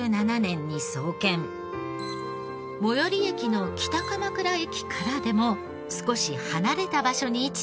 最寄り駅の北鎌倉駅からでも少し離れた場所に位置する神社です。